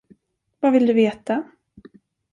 Vad vill du veta?